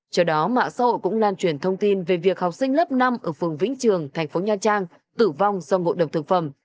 trước đó mạng xã hội cũng lan truyền thông tin về việc học sinh lớp năm ở phường vĩnh trường thành phố nha trang tử vong do ngộ độc thực phẩm